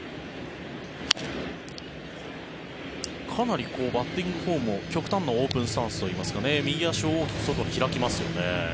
かなりバッティングフォームを極端なオープンスタンスといいますか右足を大きく外に開きますよね。